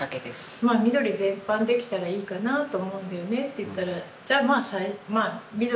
まあ緑全般できたらいいかなと思うんだよねって言ったらじゃあまあ緑。